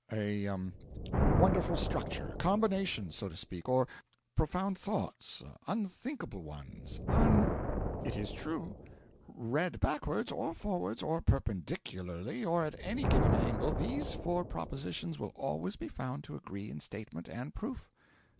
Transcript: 'A wonderful structure combination, so to speak, or profound thoughts unthinkable ones un ' 'It is true. Read backwards, or forwards, or perpendicularly, or at any given angle, these four propositions will always be found to agree in statement and proof.'